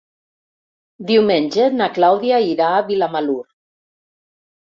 Diumenge na Clàudia irà a Vilamalur.